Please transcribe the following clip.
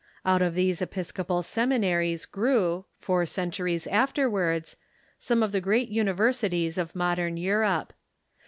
Out of these episcopal seminaries grew, four centuries afterwards, some of the great universities of modern Europe.